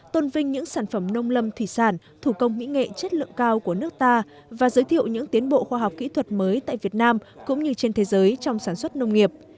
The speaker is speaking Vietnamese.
tôn vinh những sản phẩm nông lâm thủy sản thủ công mỹ nghệ chất lượng cao của nước ta và giới thiệu những tiến bộ khoa học kỹ thuật mới tại việt nam cũng như trên thế giới trong sản xuất nông nghiệp